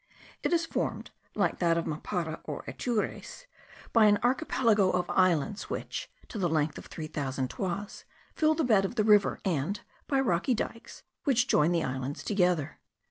It is formed, like that of Mapara or Atures, by an archipelago of islands, which, to the length of three thousand toises, fill the bed of the river, and by rocky dikes, which join the islands together.